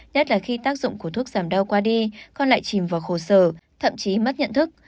nhất là khi tác dụng của thuốc giảm đau qua đi con lại chìm vào khổ sở thậm chí mất nhận thức